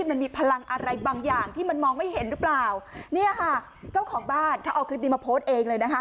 ไหนบางอย่างที่มันมองไม่เห็นรึเปล่าเนี้ยค่ะเจ้าของบ้านเค้าเอาคลิปนี้มาโพสเองเลยนะคะ